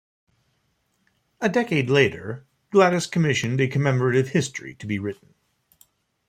A decade later, Gladys commissioned a commemorative history to be written.